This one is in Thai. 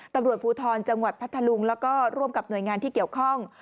ตำรวจภูทรจังหวัดพัทธลุงแล้วก็ร่วมกับหน่วยงานที่เกี่ยวข้อง